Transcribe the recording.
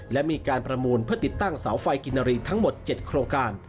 และมีการประมูลเพื่อติดตั้งเสาไฟกินนารีทั้งหมด๗โครงการ